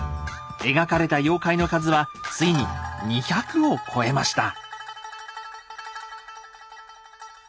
描かれた妖怪の数はついに２００を超えました。